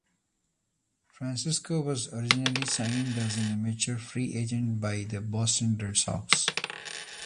Francisco was originally signed as an amateur free agent by the Boston Red Sox.